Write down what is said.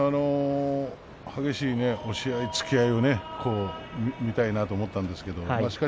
激しい押し合い突き合いを見たいなと思ったんですけどね